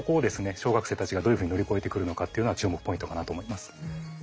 小学生たちがどういうふうに乗り越えてくるのかっていうのは注目ポイントかなと思います。